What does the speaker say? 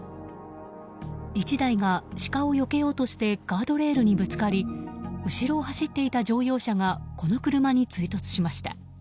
１台がシカをよけようとしてガードレールにぶつかり後ろを走っていた乗用車がこの車に追突しました。